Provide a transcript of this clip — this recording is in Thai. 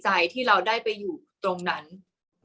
กากตัวทำอะไรบ้างอยู่ตรงนี้คนเดียว